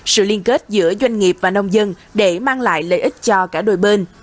sự liên kết giữa doanh nghiệp và nông dân để mang lại lợi ích cho cả đôi bên